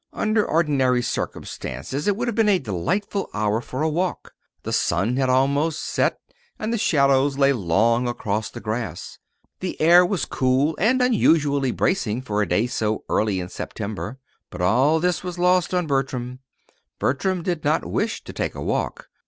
Under ordinary circumstances it would have been a delightful hour for a walk. The sun had almost set, and the shadows lay long across the grass. The air was cool and unusually bracing for a day so early in September. But all this was lost on Bertram. Bertram did not wish to take a walk.